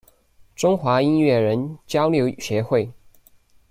中华音乐人交流协会